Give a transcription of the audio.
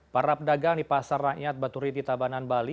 para pedagang di pasar rakyat batu riti tamanan bali